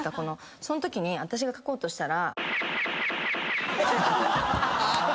そのとき私が書こうとしたら。